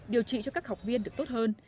điều trị cho các học viên được tốt hơn